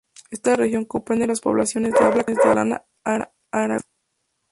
Esta región comprende las poblaciones de habla catalana aragonesas.